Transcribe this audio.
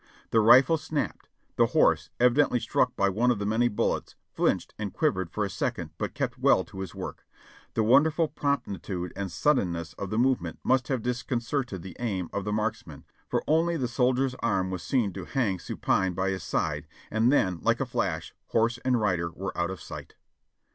The rifle snapped. The horse, evidently struck by one of the many bullets, flinched and quivered for a second but kept well to his work. The wonder 540 JOHNNY REB AND BILLY YANK ful promptitude and suddenness of the movement must have dis concerted the aim of the marksman, for only the soldier's arm was seen to hang supine by his side, and then, like a flash, horse and rider were out of sight.